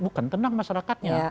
bukan tenang masyarakatnya